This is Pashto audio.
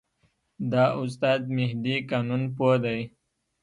دا استاد مهدي قانونپوه دی.